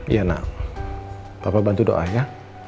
iya nak papa bantu doa ya